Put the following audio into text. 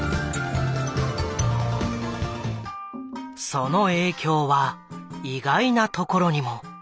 その影響は意外なところにも。